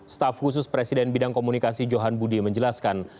staf khusus presiden bidang komunikasi johan budi menjelaskan